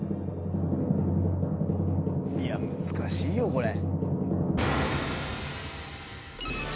いや難しいよこれ。